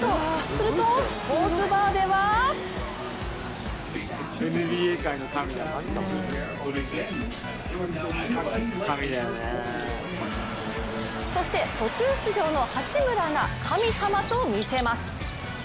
すると、スポーツバーではそして途中出場の八村が神様と魅せます。